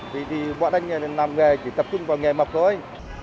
vì bọn anh làm nghề chỉ tập trung vào nghề mọc thôi